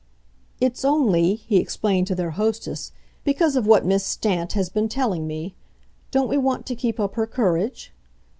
"It's only," he explained to their hostess, "because of what Miss Stant has been telling me. Don't we want to keep up her courage?"